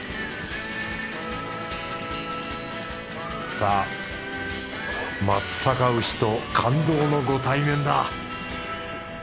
さあ松阪牛と感動のご対面だ！